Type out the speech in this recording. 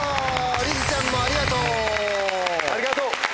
りづちゃんもありがとう。